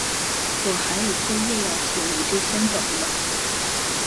我还有作业要写，我就先走了。